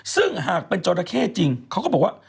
ซึ่งหากเป็นจราเข้จริงเขาก็บอกว่า